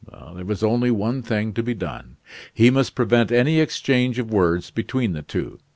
There was only one thing to be done. He must prevent any exchange of words between the two.